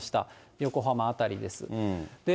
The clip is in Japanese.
横浜辺りです。